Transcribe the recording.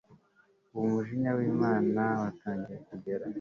Ubu umujinya wImana watangiye kugera